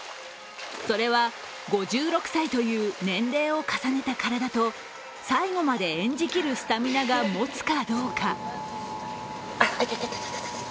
それは５６歳という年齢を重ねた体と、最後まで演じ切るスタミナがもつかどうか。